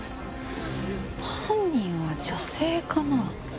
犯人は女性かな？